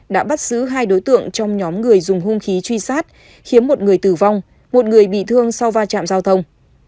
đã bắt giữ hai đối tượng trong nhóm người dùng hung khí truy sát khiến một người tử vong một người bị thương sau va chạm giao thông